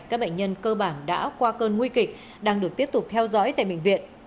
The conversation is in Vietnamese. các bệnh nhân cơ bản đã qua cơn nguy kịch đang được tiếp tục theo dõi tại bệnh viện